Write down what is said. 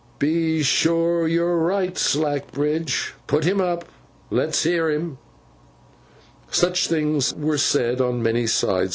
'Be sure you're right, Slackbridge!' 'Put him up!' 'Let's hear him!' Such things were said on many sides.